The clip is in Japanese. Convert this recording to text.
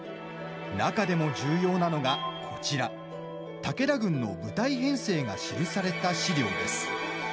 中でも重要なのがこちら武田軍の部隊編成が記された資料です。